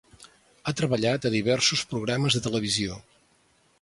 Ha treballat a diversos programes de televisió.